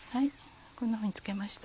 こんなふうにつけました